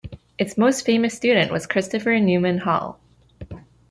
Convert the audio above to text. Its most famous student was Christopher Newman Hall.